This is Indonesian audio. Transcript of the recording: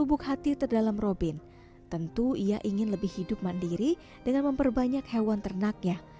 untuk hati terdalam robin tentu ia ingin lebih hidup mandiri dengan memperbanyak hewan ternaknya